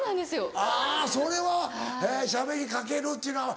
あぁそれはしゃべりかけるっていうのは。